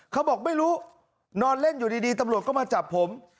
เขาบอกไม่รู้นอนเล่นอยู่ดีตำรวจก็มาจับผม